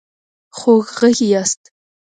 خوږغږي ياست